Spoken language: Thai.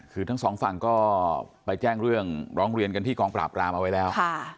คือทั้งสองฝั่งก็ไปแจ้งเรื่องร้องเรียนกันที่กองปราบรามเอาไว้แล้ว